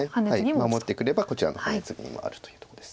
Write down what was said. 守ってくればこちらのハネツギに回るというとこです。